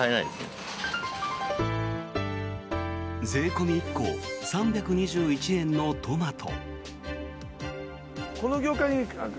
税込み１個３２１円のトマト。